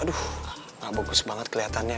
aduh bagus banget kelihatannya